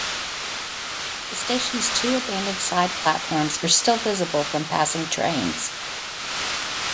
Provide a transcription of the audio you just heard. The station's two abandoned side platforms are still visible from passing trains.